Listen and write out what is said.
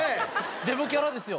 デブキャラですよ。